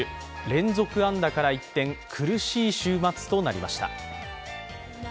連続安打から一転、苦しい週末となりました。